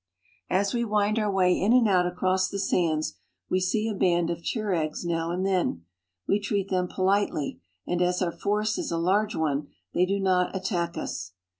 As we wind our way in and out across the sands, we see aband of Tueregs now and then. We treat them politely, md as our force is a large one they do not attack us.